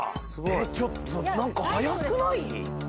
えっちょっと何かはやくない？